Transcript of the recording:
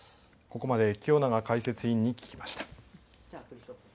ここまで清永解説委員に聞きました。